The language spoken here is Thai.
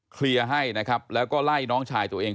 เคลียร์ให้นะครับแล้วก็ไล่น้องชายตัวเอง